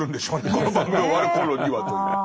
この番組が終わる頃には。ですね。